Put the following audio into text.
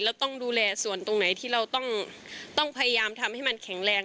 ต้องดูแลส่วนตรงไหนที่เราต้องพยายามทำให้มันแข็งแรง